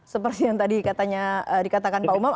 seperti yang tadi katanya dikatakan pak umam